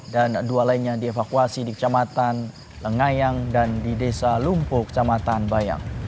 dan dua lainnya dievakuasi di kecamatan lengayang dan di desa lumpuh kecamatan bayang